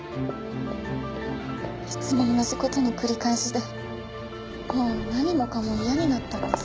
いつも同じ事の繰り返しでもう何もかも嫌になったんです。